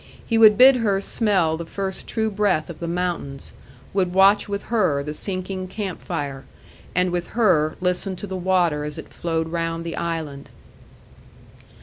He would bid her smell the first true breath of the mountains, would watch with her the sinking camp fire, and with her listen to the water as it flowed round the island.